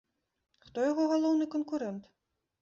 Хто яго галоўны канкурэнт?